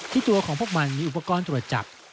ตัวของพวกมันมีอุปกรณ์ตรวจจับ